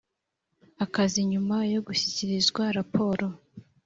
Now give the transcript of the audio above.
akazi nyuma yo gushyikirizwa raporo